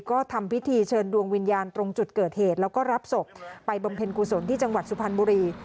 ก็ทำพิธีเชิญดวงวิญญาณตรงจุดเกิดเหตุแล้วก็รับศพไปบำเพ็ญกุศลที่จังหวัดสุพรรณบุรี